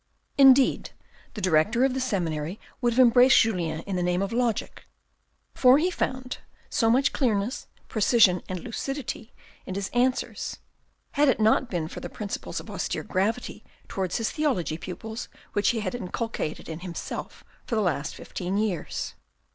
Indeed, the director of the seminary would have embraced Julien in the name of logic, for he found so much clearness, precision and lucidity in his answers, had it not been for the principles of austere gravity towards his theology pupils which he had inculcated in himself for the last fifteen years.